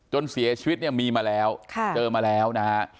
จนเสียชีวิตเนี่ยมีมาแล้วเจอมาแล้วนะฮะ